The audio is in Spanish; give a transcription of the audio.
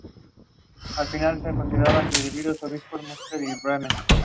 Desde su fundación, representa la defensa del socialismo como forma de organización social.